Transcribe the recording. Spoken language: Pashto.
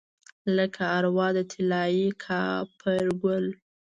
لکه اروا د طلايي کاپرګل